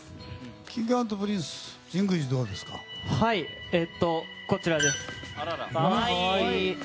Ｋｉｎｇ＆Ｐｒｉｎｃｅ神宮寺、どうですか？